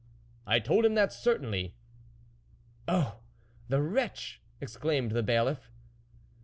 " I told him that, certainly." " Oh ! the wretch !" exclaimed the Bailiff.